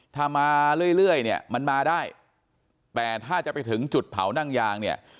ถ้ามาเรื่อยเนี่ยมันมาได้แต่ถ้าจะไปถึงจุดเผานั่งยางเนี่ย